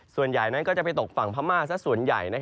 ส่วนใหญ่ก็จะไปตกฝั่งพรรมม่าซะส่วนใหญ่